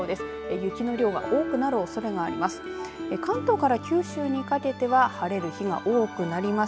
雪の量は多くなるおそれがあります。